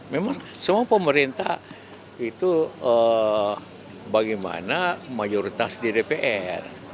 memang semua pemerintah itu bagaimana mayoritas di dpr